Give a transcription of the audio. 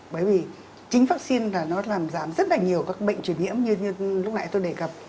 bởi vì chính vaccine là nó làm giảm rất là nhiều các bệnh truyền nhiễm như lúc này tôi đề cập